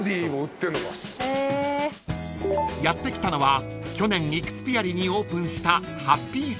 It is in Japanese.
［やって来たのは去年イクスピアリにオープンした］